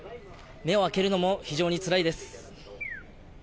目を開けるのも非常につらいです。